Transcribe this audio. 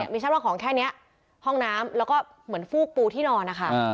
ไม่ใช่ว่าของแค่นี้ห้องน้ำแล้วก็เหมือนฟูกปูที่นอนนะคะ